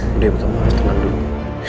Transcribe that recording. bu dewi kamu harus tenang dulu